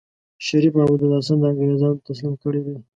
شريف محمودالحسن انګرېزانو ته تسليم کړی دی.